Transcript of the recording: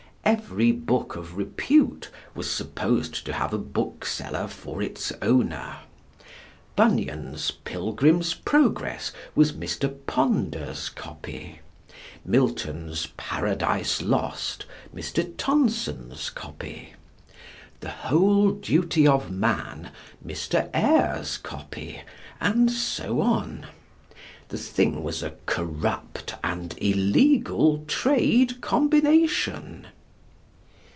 Every book of repute was supposed to have a bookseller for its owner. Bunyan's Pilgrim's Progress was Mr. Ponder's copy, Milton's Paradise Lost Mr. Tonson's copy, The Whole Duty of Man Mr. Eyre's copy, and so on. The thing was a corrupt and illegal trade combination.